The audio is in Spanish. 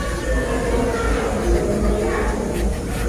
Se han hallado rastros de las murallas de la ciudad.